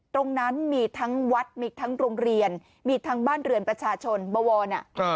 ตรงนั้นมีทั้งวัดมีทั้งโรงเรียนมีทั้งบ้านเรือนประชาชนบวร